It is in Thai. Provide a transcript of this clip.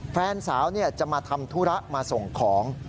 แฟนสาวจะมาทำธุระมาส่งของ